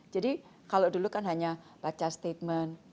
jadi kalau dulu kan hanya baca statement